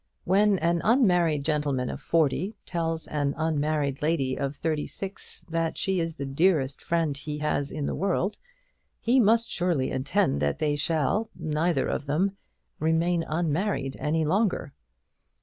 When an unmarried gentleman of forty tells an unmarried lady of thirty six that she is the dearest friend he has in the world, he must surely intend that they shall, neither of them, remain unmarried any longer.